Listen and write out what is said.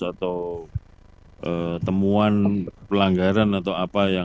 atau temuan pelanggaran atau apa